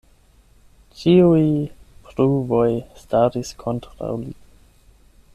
Ĉiuj pruvoj staris kontraŭ li.